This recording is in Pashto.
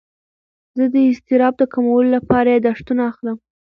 زه د اضطراب د کمولو لپاره یاداښتونه اخلم.